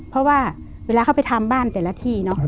เพราะว่าเวลาเขาไปทำบ้านแต่ละที่เนาะ